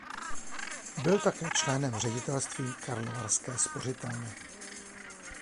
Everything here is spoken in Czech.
Byl také členem ředitelství Karlovarské spořitelny.